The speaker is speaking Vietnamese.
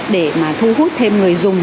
để mà thu hút thêm người dùng